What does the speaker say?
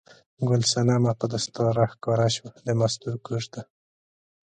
ګل صنمه په دستار راښکاره شوه د مستو کور ته.